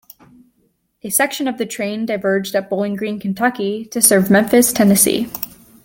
A section of the train diverged at Bowling Green, Kentucky to serve Memphis, Tennessee.